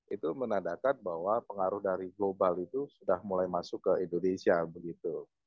itu menandakan bahwa pengaruh dari global itu sudah mulai masuk ke indonesia begitu